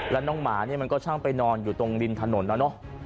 แล้วน้องหมาเนี่ยมันก็ช่างไปนอนอยู่ตรงริมถนนแล้วเนอะ